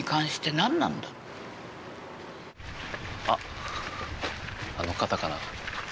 あっあの方かな？